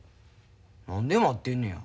何で待ってんねや。